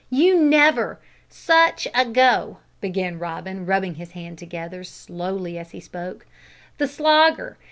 you never such a go!" began Robin, rubbing his hands together slowly as he spoke. "The Slogger!